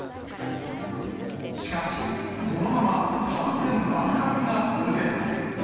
しかし、このまま感染爆発が続けば。